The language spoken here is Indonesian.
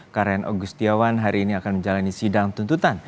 karen agustiawan hari ini akan menjalani sidang tuntutan